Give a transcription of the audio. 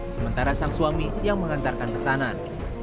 sementara sang suami yang mengantarkan pesanan